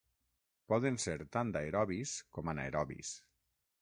Poden ser tant aerobis com anaerobis.